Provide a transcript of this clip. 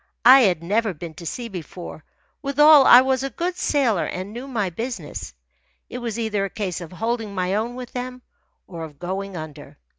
I had never been to sea before withal I was a good sailor and knew my business. It was either a case of holding my own with them or of going under.